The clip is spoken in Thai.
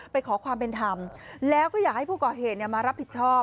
ขอความเป็นธรรมแล้วก็อยากให้ผู้ก่อเหตุมารับผิดชอบ